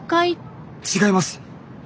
違います。